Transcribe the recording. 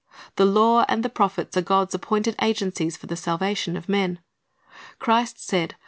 ^ The law and the prophets are God's appointed agencies for the salvation of men. Christ said.